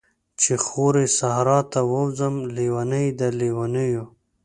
چی خوری صحرا ته ووځم، لیونۍ د لیونیو